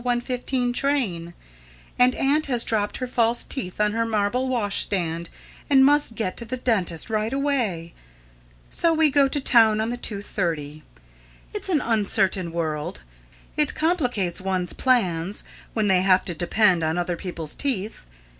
15 train; and aunt has dropped her false teeth on her marble wash stand and must get to the dentist right away. So we go to town on the 2.30. It's an uncertain world. It complicates one's plans, when they have to depend on other people's teeth.